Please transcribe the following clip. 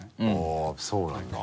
あぁそうなんだ。